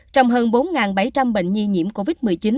trong hơn bốn bảy trăm linh bệnh nhi nhiễm covid một mươi chín